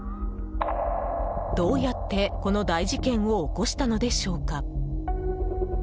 どうやって、この大事件を起こしたのでしょうか？